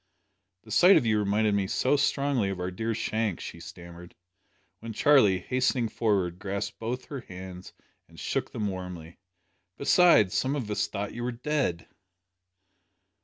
"The sight of you reminded me so strongly of our dear Shank!" she stammered, when Charlie, hastening forward, grasped both her hands and shook them warmly. "Besides some of us thought you were dead."